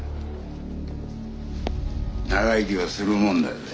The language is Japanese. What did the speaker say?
長生きはするもんだぜ。